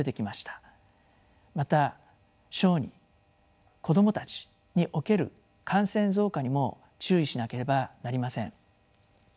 また小児子どもたちにおける感染増加にも注意しなければなりません。